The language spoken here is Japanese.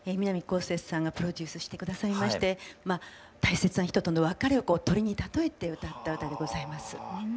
こうせつさんがプロデュースして下さいまして大切な人との別れを鳥に例えて歌った歌でございます。